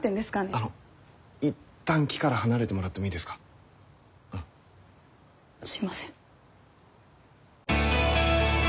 あの一旦木から離れてもらってもいいですか？すいません。